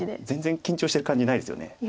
全然緊張してる感じないですよね。